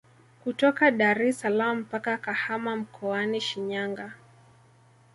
Kutoka Daressalaam mpaka Kahama mkoani Shinyanga